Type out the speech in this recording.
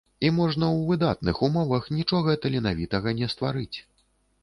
І можна ў выдатных умовах нічога таленавітага не стварыць.